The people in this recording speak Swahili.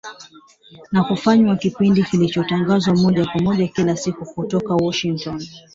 na kufanywa kipindi kilichotangazwa moja kwa moja kila siku kutoka Washington